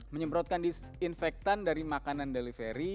menyemprotkan disinfektan dari makanan delivery